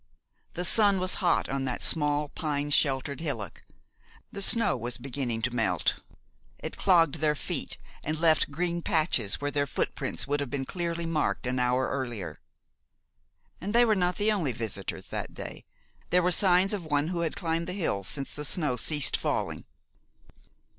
The sun was hot on that small, pine sheltered hillock. The snow was beginning to melt. It clogged their feet, and left green patches where their footprints would have been clearly marked an hour earlier. And they were not the only visitors that day. There were signs of one who had climbed the hill since the snow ceased falling.